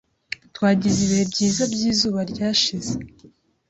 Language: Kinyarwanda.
Twagize ibihe byiza byizuba ryashize.